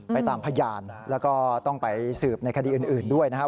ตามพยานแล้วก็ต้องไปสืบในคดีอื่นด้วยนะครับ